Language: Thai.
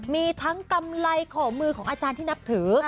มีทั้งกำไรขอมือของอาจารย์ที่นับถือ